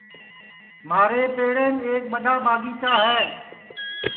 مھارے پیڑیم ایک ٻڈؔا ٻاگیچا ہے